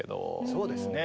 そうですね。